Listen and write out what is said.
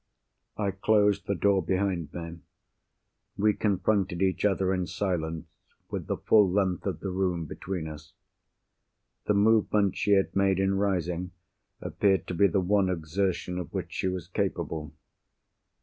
I closed the door behind me. We confronted each other in silence, with the full length of the room between us. The movement she had made in rising appeared to be the one exertion of which she was capable.